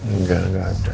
enggak gak ada